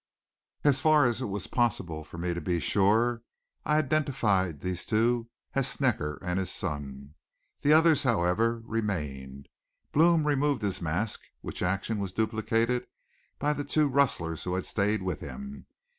As far as it was possible for me to be sure, I identified these two as Snecker and his son. The others, however, remained. Blome removed his mask, which action was duplicated by the two rustlers who had stayed with him.